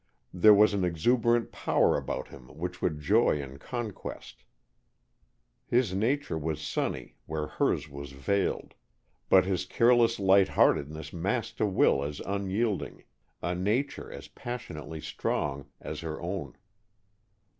There was an exuberant power about him which would joy in conquest. His nature was sunny where hers was veiled, but his careless lightheartedness masked a will as unyielding, a nature as passionately strong, as her own.